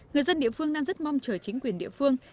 người dân địa phương đang rất mong chờ chính quyền địa phương